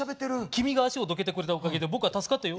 君が足をどけてくれたおかげで僕は助かったよ。